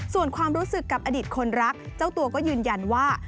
ส่วนความรู้สึกกับอดีตคนรักเจ้าตัวก็ยืนยันว่า